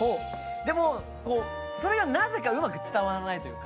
でも、それがなぜかうまく伝わらないというか。